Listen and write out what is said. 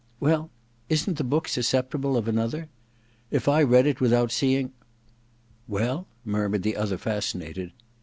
*Well — ^isn*t the book susceptible of another ? If / read it without seeing Well ?* murmured the other, fascinated.